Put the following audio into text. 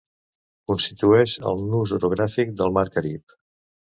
Constitueix el nus orogràfic del mar Carib.